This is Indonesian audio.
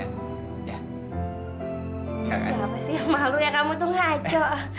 siapa sih yang malu ya kamu tuh ngaco